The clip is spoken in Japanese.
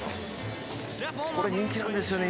これ人気なんですよね